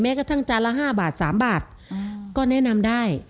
กระทั่งจานละ๕บาท๓บาทก็แนะนำได้